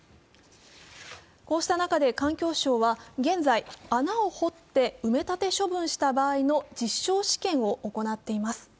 こうした中で環境省は現在、穴を掘って埋め立て処分した場合の実証試験を行っています。